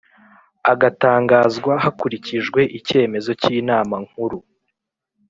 agatangazwa hakurikijwe icyemezo cy Inama Nkuru